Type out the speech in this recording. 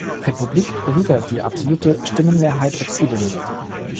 Republik wieder die absolute Stimmenmehrheit erzielen.